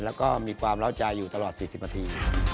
แล้วก็มีความเล่าใจอยู่ตลอด๔๐นาที